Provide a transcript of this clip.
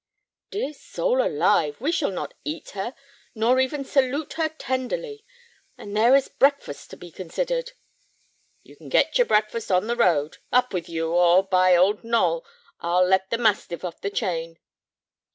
"Dear soul alive, we shall not eat her, nor even salute her tenderly! And there is breakfast to be considered." "You can get your breakfast on the road. Up with you, or, by Old Noll, I'll let the mastiff off the chain!"